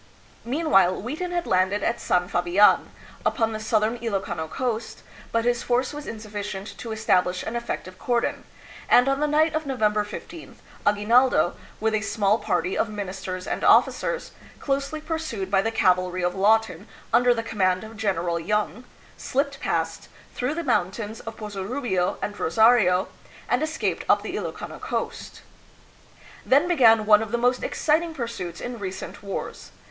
Meanwhile, Wheaton had landed at San Fabian, upon the southern Ilokano coast, but his force was insufficient to establish an effect ive cordon, and on the night of November loth Agui naldo, with a small party of ministers and officers, closely pursued by the cavalry of Lawton under the command of General Young, slipped past, through the mountains of Pozorubio and Rosario, and escaped up the Ilokano coast. Then began one of the most exciting pursuits in re cent wars.